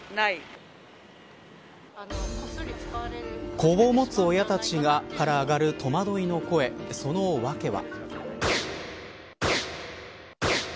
子を持つ親たちから上がる戸惑いの声その訳は。